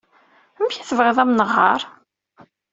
Amek ay tebɣiḍ ad am-neɣɣar?